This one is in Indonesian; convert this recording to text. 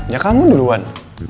ya kamu duluan